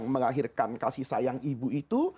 melahirkan kasih sayang ibu itu